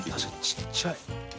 ちっちゃい！